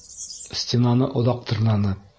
Стенаны оҙаҡ тырнаны.